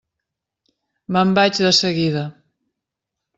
Me'n vaig de seguida.